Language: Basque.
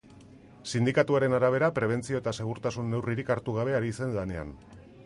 Sindikatuaren arabera, prebentzio eta segurtasun neurririk hartu gabe ari zen lanean.